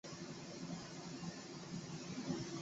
贝克的音乐生涯始于教堂合唱团。